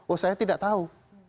oh saya tidak tahu